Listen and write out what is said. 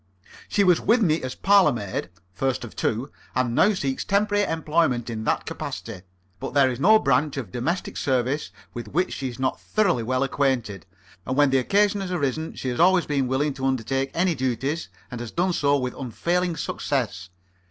She was with me as parlour maid (first of two), and now seeks temporary employment in that capacity; but there is no branch of domestic service with which she is not thoroughly well acquainted, and when the occasion has arisen she has always been willing to undertake any duties, and has done so with unfailing success.